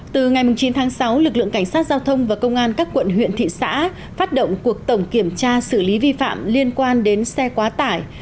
từ ngày chín tháng sáu lực lượng cảnh sát giao thông và công an các quận huyện thị xã phát động cuộc tổng kiểm tra xử lý vi phạm liên quan đến xe quá tải